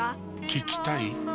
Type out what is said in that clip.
聞きたい？